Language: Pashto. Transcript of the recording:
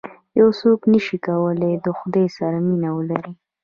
یو څوک نه شي کولای د خدای سره مینه ولري.